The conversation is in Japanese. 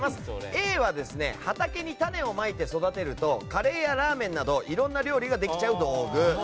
Ａは畑に種をまいて育てるとカレーやラーメンなどいろんな料理ができちゃう道具。